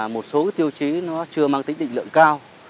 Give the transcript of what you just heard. một số tiêu chí nó chưa mang tính định lượng cao